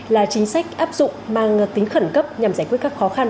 là chính sách áp dụng mang tính khẩn cấp nhằm giải quyết các khó khăn